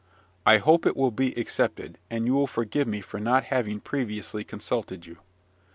I hope it will be accepted, and you will forgive me for not having previously consulted you.